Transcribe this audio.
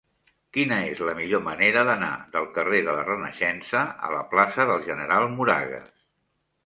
Quina és la millor manera d'anar del carrer de la Renaixença a la plaça del General Moragues?